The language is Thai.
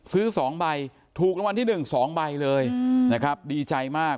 ซื้อ๒ใบถูกรางวัลที่๑๒ใบเลยนะครับดีใจมาก